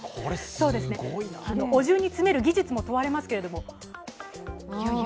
お重に詰める技術も問われますけれども。